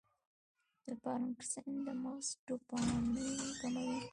د پارکنسن د مغز ډوپامین کموي.